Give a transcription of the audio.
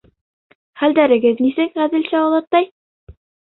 — Хәлдәрегеҙ нисек, Ғәҙелша олатай?